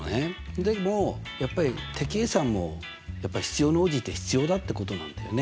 でもやっぱり手計算も必要に応じて必要だってことなんだよね。